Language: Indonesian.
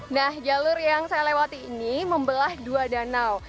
nah jalur yang saya lewati ini membelah dua danau